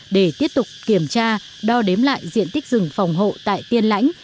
để tiếp tục kiểm tra đo đếm lại diện tích rừng phòng hộ tại tiên lãnh